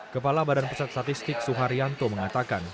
kepala badan pusat statistik suharyanto mengatakan